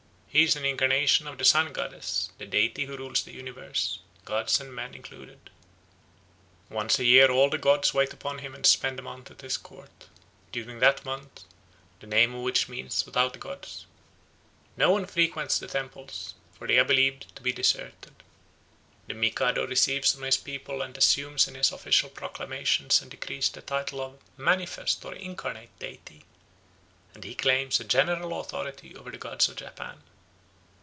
He is an incarnation of the sun goddess, the deity who rules the universe, gods and men included; once a year all the gods wait upon him and spend a month at his court. During that month, the name of which means "without gods," no one frequents the temples, for they are believed to be deserted. The Mikado receives from his people and assumes in his official proclamations and decrees the title of "manifest or incarnate deity," and he claims a general authority over the gods of Japan.